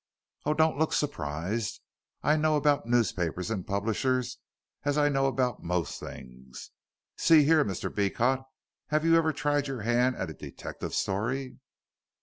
Oh, don't look surprised. I know about newspapers and publishers as I know about most things. See here, Mr. Beecot, have you ever tried your hand at a detective story?"